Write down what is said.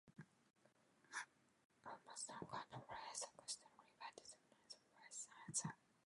Armstrong County lies across the river to the north, west, and south.